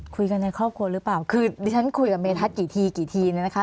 คุยกันในครอบครัวหรือเปล่าคือดิฉันคุยกับเมทัศน์กี่ทีกี่ทีเนี่ยนะคะ